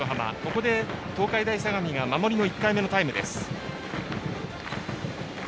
ここで東海大相模が守りの１回目のタイムです。